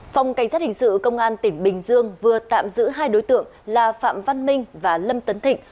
phòng cảnh sát hình sự công an tỉnh bình dương vừa tạm giữ hai đối tượng là phạm văn minh và lâm tấn thịnh